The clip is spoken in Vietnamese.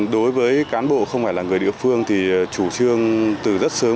đối với cán bộ không phải là người địa phương thì chủ trương từ rất sớm